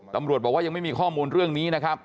ตำรวจบอกว่ายังไม่มีข้อมูลเรื่องนี้นะครับ